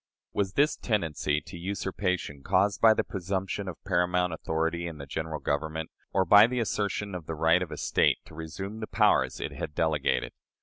Was this tendency to usurpation caused by the presumption of paramount authority in the General Government, or by the assertion of the right of a State to resume the powers it had delegated?